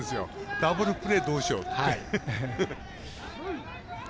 ダブルプレー、どうしようって。